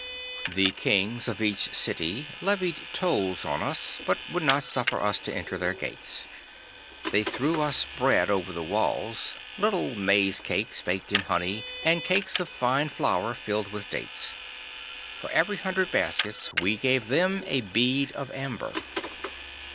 'The kings of each city levied tolls on us, but would not suffer us to enter their gates. They threw us bread over the walls, little maize cakes baked in honey and cakes of fine flour filled with dates. For every hundred baskets we gave them a bead of amber.